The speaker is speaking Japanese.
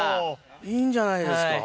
いいんじゃないですか？